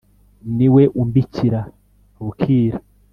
Ni we umbikira bukira